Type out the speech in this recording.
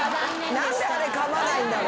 何であれかまないんだろう？